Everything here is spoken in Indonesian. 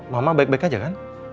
mama baik baik aja kan